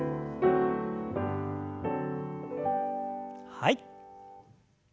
はい。